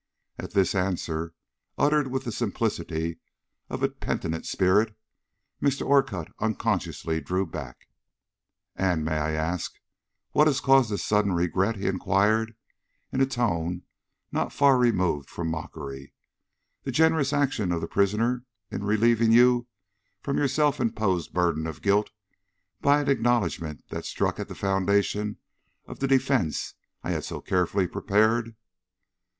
At this answer, uttered with the simplicity of a penitent spirit, Mr. Orcutt unconsciously drew back. "And, may I ask, what has caused this sudden regret?" he inquired, in a tone not far removed from mockery; "the generous action of the prisoner in relieving you from your self imposed burden of guilt by an acknowledgment that struck at the foundation of the defence I had so carefully prepared?"